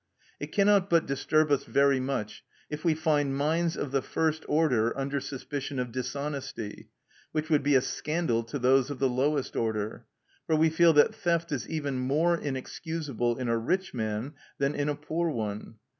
It cannot but disturb us very much if we find minds of the first order under suspicion of dishonesty, which would be a scandal to those of the lowest order. For we feel that theft is even more inexcusable in a rich man than in a poor one.